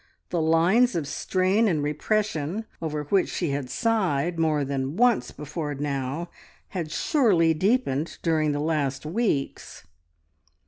The lines of strain and repression over which she had sighed more than once before now had surely deepened during the last weeks!